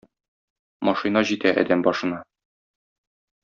Машина җитә әдәм башына.